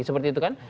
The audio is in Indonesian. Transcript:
seperti itu kan